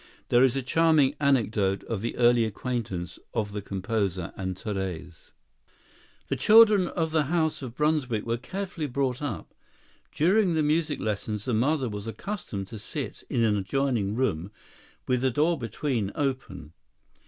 There is a charming anecdote of the early acquaintance of the composer and Therese. The children of the house of Brunswick were carefully brought up. During the music lessons the mother was accustomed to sit in an adjoining room with the door between open.